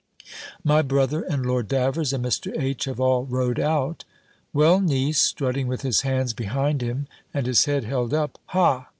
"My brother, and Lord Davers, and Mr. H. have all rode out." "Well, niece," strutting with his hands behind him, and his head held up "Ha!